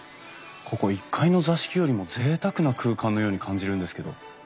ここ１階の座敷よりもぜいたくな空間のように感じるんですけど。